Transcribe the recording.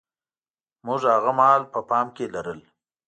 موږ هاغه مهال په پام کې لرل.